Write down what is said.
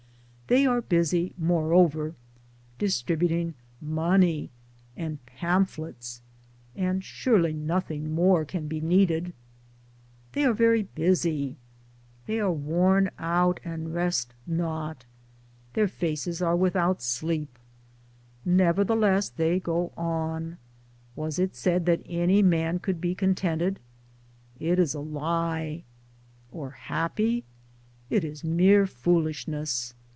They are busy moreover distributing money and pamph lets : and surely nothing more can be needed. They are very busy. They are worn out and rest not. Their faces are without sleep. Nevertheless they go on. Was it said that any man could be contented ? It is a lie ;— or happy ? It is mere foolishness.